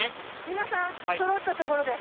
皆さん揃ったところで。